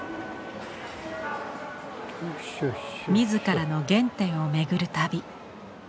自らの原点を巡る旅。